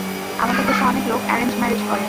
আমাদের দেশে অনেক লোক, অ্যারেন্জ ম্যারেজ করে।